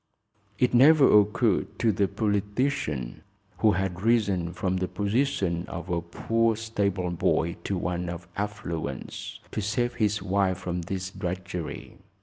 It never occurred to the politician, who had risen from the position of a poor stable boy to one of affluence, to save his wife from this drudgery.